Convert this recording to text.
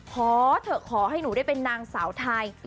เพราะเธอขอให้หนูได้เป็นนางสาวไทย